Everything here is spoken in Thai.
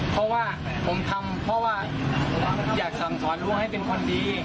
เพราะว่าผมทำเพราะว่าอยากสั่งสอนลูกให้เป็นคนดี